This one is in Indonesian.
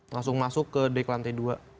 langsung masuk ke dek lantai dua